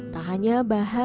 dari mana yang bisa kita jual